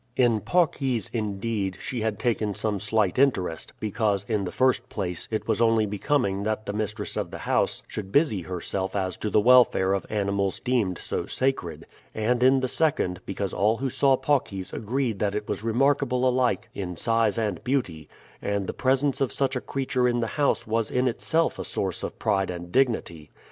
In Paucis, indeed, she had taken some slight interest; because, in the first place, it was only becoming that the mistress of the house should busy herself as to the welfare of animals deemed so sacred; and in the second, because all who saw Paucis agreed that it was remarkable alike in size and beauty, and the presence of such a creature in the house was in itself a source of pride and dignity.